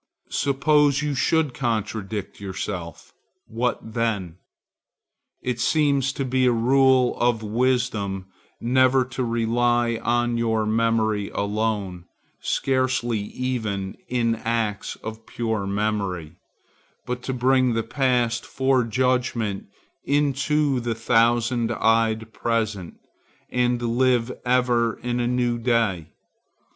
Suppose you should contradict yourself; what then? It seems to be a rule of wisdom never to rely on your memory alone, scarcely even in acts of pure memory, but to bring the past for judgment into the thousand eyed present, and live ever in a new day.